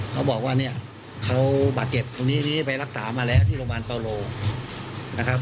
เขาบอกว่าเขาหัวเจ็บตรงนี้นี้ไปรักษามาแล้วที่โรงพยาบาลเบาโล